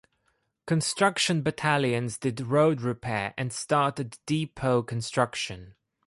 Construction Battalions did road repair and started depot construction.